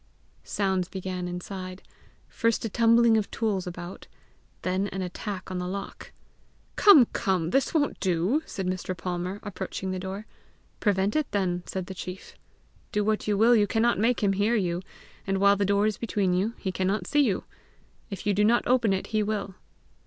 Sounds began inside first a tumbling of tools about, then an attack on the lock. "Come! come! this won't do!" said Mr. Palmer, approaching the door. "Prevent it then," said the chief. "Do what you will you cannot make him hear you, and while the door is between you, he cannot see you! If you do not open it, he will!"